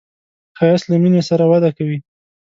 ښایست له مینې سره وده کوي